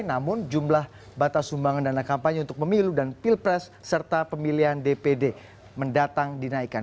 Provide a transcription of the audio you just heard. namun jumlah batas sumbangan dana kampanye untuk pemilu dan pilpres serta pemilihan dpd mendatang dinaikkan